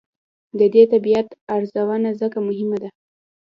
د دې طبیعت ارزونه ځکه مهمه ده.